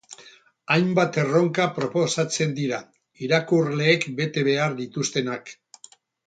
Hainbat erronka proposatzen dira, irakurleek bete behar dituztenak.